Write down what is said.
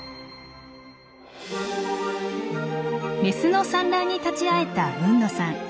メスの産卵に立ち会えた海野さん。